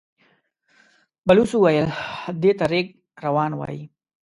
بلوڅ وويل: دې ته رېګ روان وايي.